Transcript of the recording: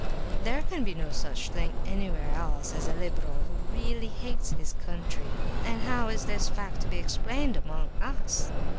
There can be no such thing anywhere else as a liberal who really hates his country; and how is this fact to be explained among _us?